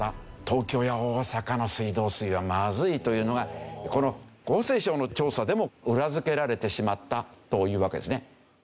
東京や大阪の水道水はまずいというのがこの厚生省の調査でも裏付けられてしまったというわけですね。